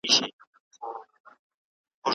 که زده کوونکي زیار وباسي نو راتلونکی نه خرابیږي.